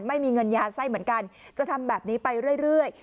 ไม่มีเงินยาไส้เหมือนกันจะทำแบบนี้ไปเรื่อย